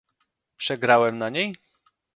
"Przegrałem na niej?..."